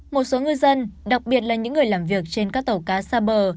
một số ngư dân đặc biệt là những người làm việc trên các tàu cá xa bờ